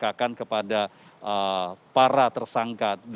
yang disangkakan kepada para tersangka